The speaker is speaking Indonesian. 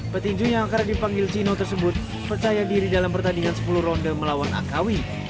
petinju yang kerap dipanggil cino tersebut percaya diri dalam pertandingan sepuluh ronde melawan akawi